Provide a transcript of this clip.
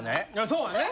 そうやね。